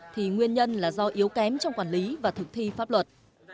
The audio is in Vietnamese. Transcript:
thì nguyên nhân là do yếu kém trong quản lý và thực thi pháp luật